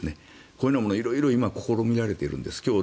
これも色々と試みられているんです。